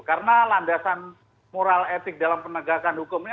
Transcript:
karena landasan moral etik dalam penegakan hukum ini